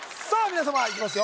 皆様いきますよ